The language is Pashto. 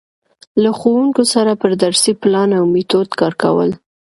له ښـوونکو سره پر درسي پـلان او میتود کـار کول.